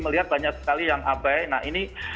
melihat banyak sekali yang abai nah ini